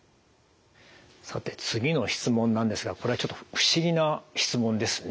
さて次の質問なんですがこれはちょっと不思議な質問ですね。